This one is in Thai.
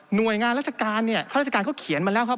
หน่วยงานรัฐการณ์เนี่ยรัฐการณ์เขาเขียนมาแล้วครับ